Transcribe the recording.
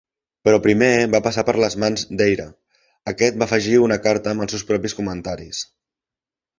Però primer va passar per les mans d'Eyre, aquest va afegir una carta amb els seus propis comentaris.